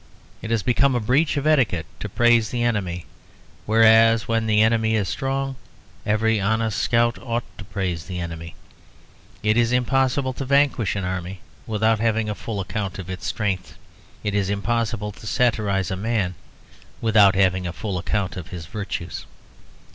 It has become a breach of etiquette to praise the enemy; whereas, when the enemy is strong, every honest scout ought to praise the enemy. It is impossible to vanquish an army without having a full account of its strength. It is impossible to satirise a man without having a full account of his virtues.